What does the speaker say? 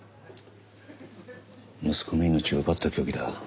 息子の命を奪った凶器だ。